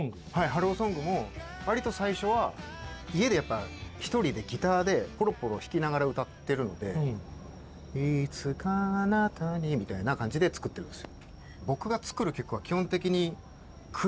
「ＨｅｌｌｏＳｏｎｇ」もわりと最初は家で１人でギターでポロポロ弾きながら歌ってるので「いつかあなたに」みたいな感じで作ってるんですよ。